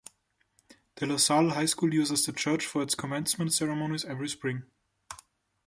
DeLaSalle High School uses the church for its commencement ceremonies every spring.